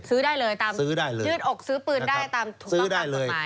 ซื้อได้เลยตามยืดอกซื้อปืนได้ตามทุกประกันหมดไหม